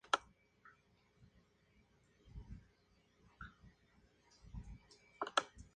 El primer encuentro con ellos estaría marcado por una sorpresiva visita de Felix.